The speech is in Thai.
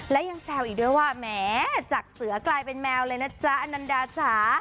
และยังแซวอีกด้วยว่าแหมจากเสือกลายเป็นแมวเลยนะจ๊ะอนันดาจ๋า